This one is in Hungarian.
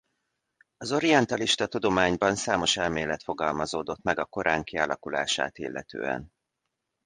Az orientalista tudományban számos elmélet fogalmazódott meg a Korán kialakulását illetően.